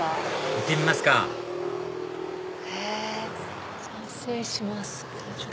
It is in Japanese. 行ってみますか失礼します。